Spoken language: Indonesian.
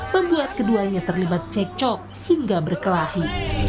membuat keduanya terlibat cekcok hingga berkelahi